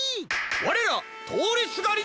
われらとおりすがりの。